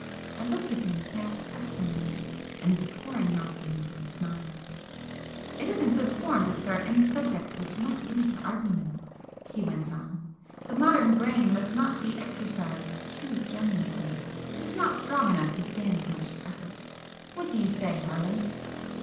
I looked at him half questioningly, and the scorn melted into a smile. "It isn't good form to start any subject which might lead to argument," he went on "The modern brain must not be exercised too strenuously, it is not strong enough to stand much effort. What do you say, Harland?"